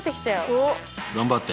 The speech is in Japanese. おっ！頑張って。